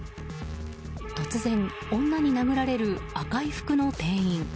突然、女に殴られる赤い服の店員。